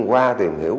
qua tìm hiểu